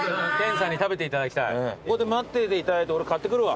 ここで待っていていただいて俺買ってくるわ。